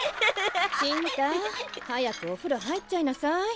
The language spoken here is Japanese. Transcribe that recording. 信太早くおふろ入っちゃいなさい。